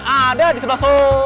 ada di sebelah